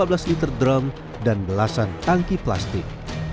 ada belas liter drum dan belasan tangki plastik